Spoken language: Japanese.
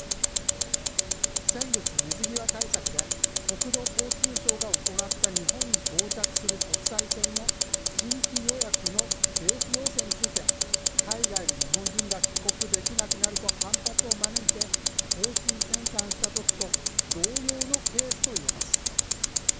先月、水際対策で国土交通省が行った日本に到着する国際線の新規予約の停止要請について海外の日本人が帰国できなくなると反発を招いて方針転換したときと同様のケースと言えます。